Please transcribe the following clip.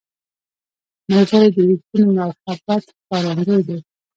ملګری د ریښتیني محبت ښکارندوی دی